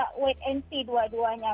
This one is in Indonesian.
audiens ini kayak wait and see dua duanya